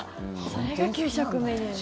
それが給食メニューに。